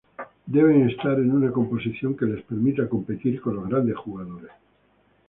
Deben estar en una posición que les permita competir con los grandes jugadores.